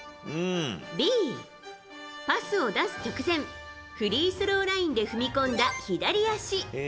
Ｂ、パスを出す直前フリースローラインで踏み込んだ左足。